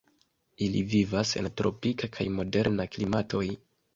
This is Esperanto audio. Ili vivas en tropika kaj modera klimatoj.